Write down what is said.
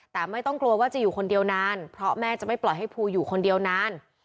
แต่ไม่ต้องกลัวว่าจะอยู่คนเดียวนานเพราะแม่จะไม่ปล่อยให้ภูอยู่คนเดียวนาน